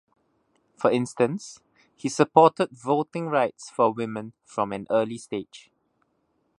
For instance, he supported voting rights for women from an early stage.